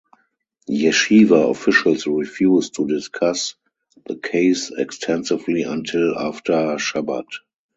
Yeshiva officials refused to discuss the case extensively until after Shabbat.